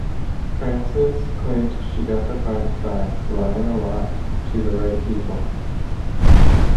Francis claimed she got the part by "lying a lot, to the right people".